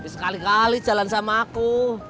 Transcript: sekali kali jalan sama aku